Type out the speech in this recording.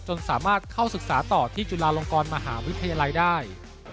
สามารถเข้าศึกษาต่อที่จุฬาลงกรมหาวิทยาลัยได้